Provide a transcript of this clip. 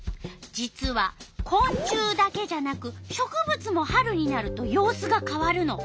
実はこん虫だけじゃなく植物も春になると様子が変わるの。